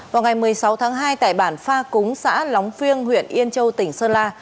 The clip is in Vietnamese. vào ngày một mươi sáu tháng hai tại bản pha cúng xã lóng phiêng huyện yên châu tỉnh sơn la